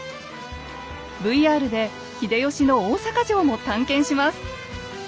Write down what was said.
ＶＲで秀吉の大坂城も探検します。